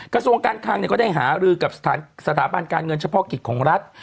กระทรวงการคลังก็ได้หารือกับสถาบันการเงินเฉพาะกิจของรัฐ